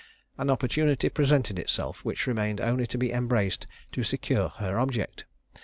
An opportunity presented itself which remained only to be embraced to secure her object.